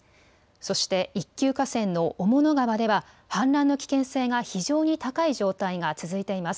そして一級河川の雄物川では氾濫の危険性が非常に高い状態が続いています。